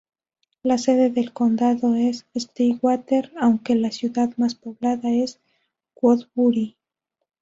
La sede del condado es Stillwater, aunque la ciudad más poblada es Woodbury.